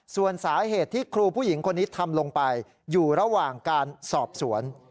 ส่วนสาเหตุที่ครูผู้หญิงคนนี้ทำลงไปอยู่ระหว่างการสอบสวน